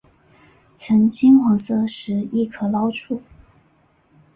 呈金黄色时即可捞出。